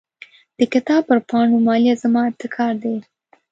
د کتاب پر پاڼو مالیه زما ابتکار دی.